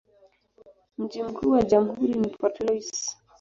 Mji mkuu wa jamhuri ni Port Louis.